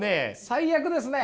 最悪ですね。